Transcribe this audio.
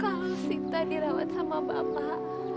kalau sita dirawat sama bapak